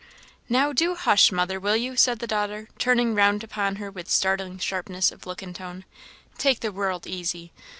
"Now, do hush, mother, will you!" said the daughter, turning round upon her with startling sharpness of look and tone; " 'take the world easy!'